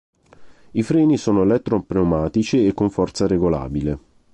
I freni sono elettro-pneumatici e con forza regolabile.